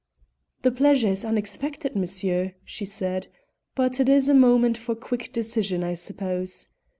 "The pleasure is unexpected, monsieur," she said; "but it is a moment for quick decision, I suppose.